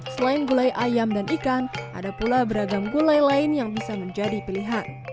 selain gulai ayam dan ikan ada pula beragam gulai lain yang bisa menjadi pilihan